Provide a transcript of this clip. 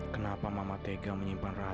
kenapa mama tega menyimpan rahasi